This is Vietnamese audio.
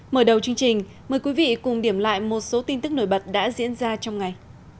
mở đầu chương trình mời quý vị cùng điểm lại một số tin tức nổi bật đã diễn ra trong ngày